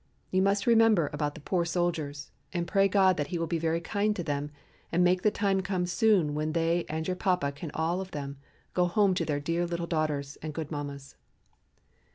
You must remember about the poor soldiers, and pray God that He will be very kind to them and make the time soon come when they and your papa can all of them go home to their dear little daughters and good mammas.